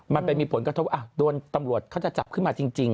มันไปมีผลก็เพราะว่าโดนตำรวจเขาจะจับขึ้นมาจริงแหละ